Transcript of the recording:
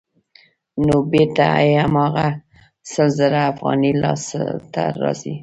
نو بېرته یې هماغه سل زره افغانۍ لاسته راځي